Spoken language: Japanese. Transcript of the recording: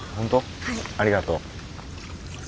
ありがとう。